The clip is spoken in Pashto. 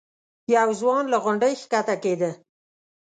یو ځوان له غونډۍ ښکته کېده.